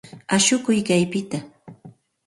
Ashukuy kaypita.